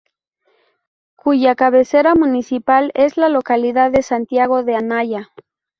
Cuya cabecera municipal es la localidad de Santiago de Anaya.